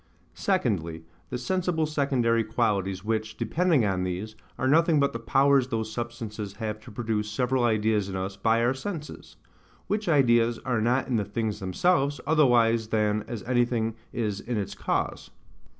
Secondly, the sensible secondary qualities, which, depending on these, are nothing but the powers those substances have to produce several ideas in us by our senses; which ideas are not in the things themselves, otherwise than as anything is in its cause.